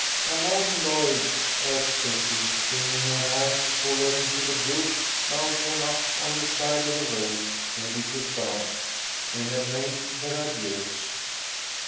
"Come on, Lloyd," urged Betty, swinging her hand to pull her into the group now drawn up on the side of the road ready to start. They had made their adieux.